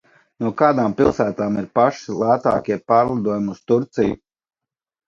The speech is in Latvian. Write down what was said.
No kādām pilsētām ir paši lētākie pārlidojumi uz Turcija?